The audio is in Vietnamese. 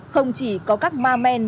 không chỉ có các ma men